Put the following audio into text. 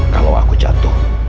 kalau aku jatuh